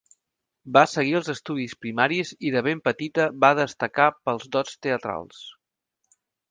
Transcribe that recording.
Va seguir els estudis primaris i de ben petita va destacar pels dots teatrals.